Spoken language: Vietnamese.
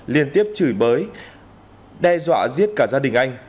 liên tiếp chửi bới đe dọa giết cả gia đình anh